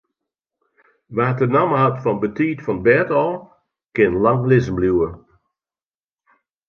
Wa't de namme hat fan betiid fan 't bêd ôf, kin lang lizzen bliuwe.